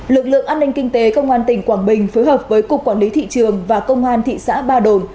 lực lượng an ninh kinh tế công an tỉnh quảng bình phối hợp với cục quản lý thị trường và công an thị xã ba đồn